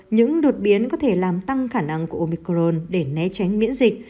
những đột biến có thể làm tăng khả năng của omicron để né tránh miễn dịch